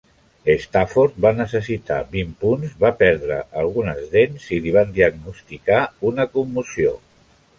Stafford va necessitar vint punts, va perdre algunes dents i li van diagnosticar una commoció.